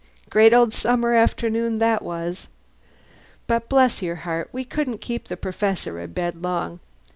Great old summer afternoon that was! But bless your heart, we couldn't keep the Perfessor abed long.